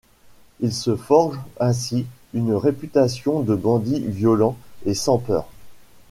Il se forge ainsi une réputation de bandit violent et sans peur.